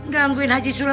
gangguin haji sulam